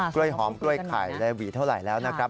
้วยหอมกล้วยไข่ได้หวีเท่าไหร่แล้วนะครับ